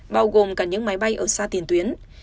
bao gồm cả những máy bay ở xa tiền tuyến